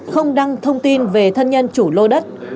không đăng thông tin về thân nhân chủ lô đất